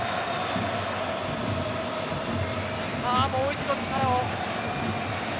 さあ、もう一度力を。